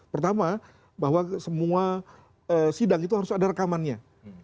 pertama bahwa semua sidang itu harus ada rekamannya